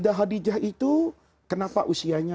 khadijah itu kenapa usianya